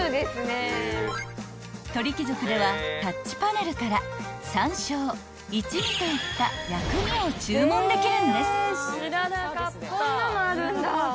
［鳥貴族ではタッチパネルから山椒一味といった薬味を注文できるんです］